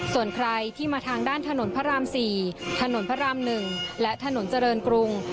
ส่วนใครที่มาทางด้านถนนพระราม๔ถนนพระราม๑และถนนเจริญกรุง